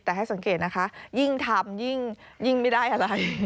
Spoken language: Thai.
แต่ให้สังเกตนะคะยิ่งทำยิ่งไม่ได้อะไร